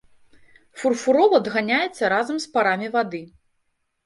Фурфурол адганяецца разам з парамі вады.